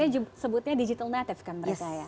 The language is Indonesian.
saya sebutnya digital native kan berarti ya